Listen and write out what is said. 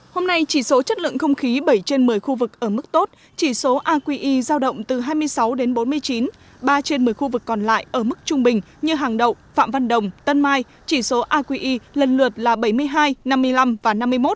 hôm nay chỉ số chất lượng không khí bảy trên một mươi khu vực ở mức tốt chỉ số aqi giao động từ hai mươi sáu đến bốn mươi chín ba trên một mươi khu vực còn lại ở mức trung bình như hàng đậu phạm văn đồng tân mai chỉ số aqi lần lượt là bảy mươi hai năm mươi năm và năm mươi một